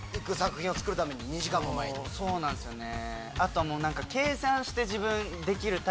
そうなんすよね。